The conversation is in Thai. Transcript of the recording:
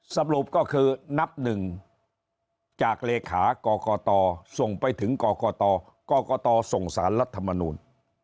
สรุปก็คือนับหนึ่งจากเลขากรกตส่งไปถึงกรกตกรกตส่งสารรัฐมนูล